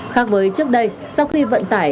khác với trước đây sau khi vận tải